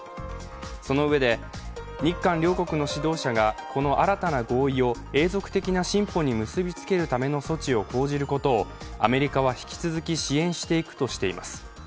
そのうえで、日韓両国の指導者がこの新たな合意を、永続的な進歩に結びつけるための措置を講じることをアメリカは引き続き支援していくとしています。